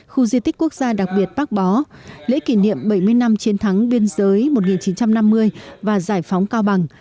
khu di tích quốc gia đặc biệt bác bó lễ kỷ niệm bảy mươi năm chiến thắng biên giới một nghìn chín trăm năm mươi và giải phóng cao bằng